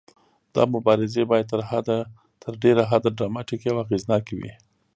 دا مبارزې باید تر ډیره حده ډراماتیکې او اغیزناکې وي.